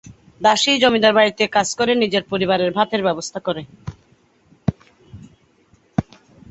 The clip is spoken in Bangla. দাসী জমিদার বাড়িতে কাজ করে নিজের পরিবারের ভাতের ব্যবস্থা করে।